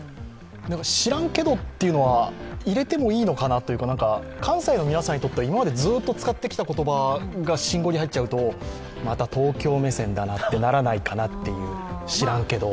知らんけどというのは入れてもいいのかなというか、関西の皆さんにとっては今までずっと使ってきた言葉が入っちゃうとまた東京目線だなってならないかなっていう、知らんけど。